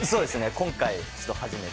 今回、初めて。